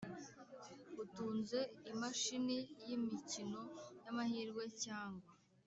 Utunze imashini y imikino y amahirwe cyangwa